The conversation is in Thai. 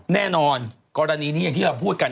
แน่นอนกรณีนี้ที่พูดกัน